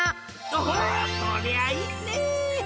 おおそりゃあいいね！